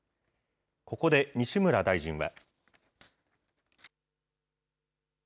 ここで西村大臣は。